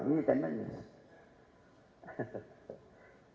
ini sepuluh menit